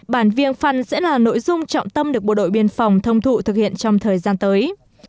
bản viêng phăn sẽ là nội dung trọng tâm được bộ đội biên phòng thông thụ thực hiện trong thời gian tới